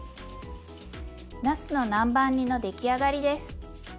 なすの南蛮煮の出来上がりです。